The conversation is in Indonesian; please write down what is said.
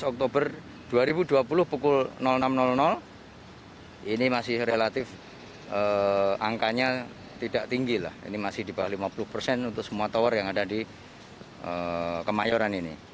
dua belas oktober dua ribu dua puluh pukul enam ini masih relatif angkanya tidak tinggi lah ini masih di bawah lima puluh persen untuk semua tower yang ada di kemayoran ini